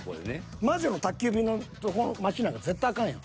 「魔女の宅急便」のとこの街なんか絶対あかんやん。